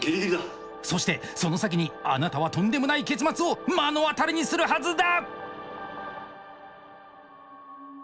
そしてその先にあなたはとんでもない結末を目の当たりにするはずだ！